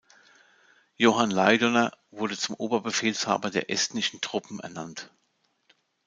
Johan Laidoner wurde zum Oberbefehlshaber der estnischen Truppen ernannt.